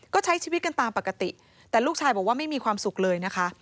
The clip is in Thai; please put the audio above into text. ก็ใช้ชีวิตกันตามปกติแต่ลูกชายบอกว่าไม่มีความสุขเลยนะคะ